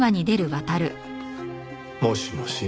もしもし？